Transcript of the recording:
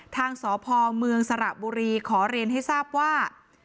ทางสพเมืองสระบุรีขอเรียนให้ทราบว่า